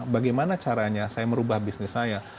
bagaimana caranya saya merubah bisnis saya